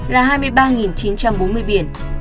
là hai mươi ba chín trăm bốn mươi biển